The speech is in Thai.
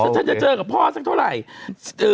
ฉันจะเจอกับพ่อสักเท่าไหร่